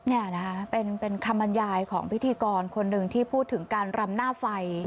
นี่นะคะเป็นคำบรรยายของพิธีกรคนหนึ่งที่พูดถึงการรำหน้าไฟ